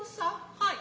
はい。